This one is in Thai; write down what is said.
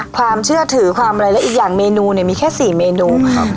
ความเชื่อถือความอะไรและอีกอย่างเมนูเนี่ยมีแค่สี่เมนูครับ